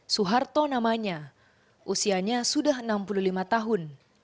suharto namanya usianya sudah enam puluh lima tahun